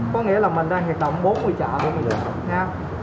có nghĩa là mình đang hiệp động bốn mươi chợ